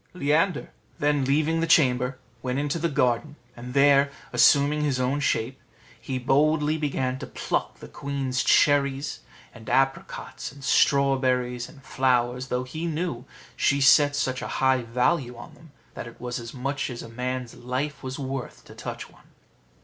Leander, then leaving the chamber, went into the garden, and there, assuming his own shape, he boldly began to pluck the queen's cherries, apricots, strawberries, and flowers, though he knew she set such a high value on them, that it was as much as a man's life was worth to touch one.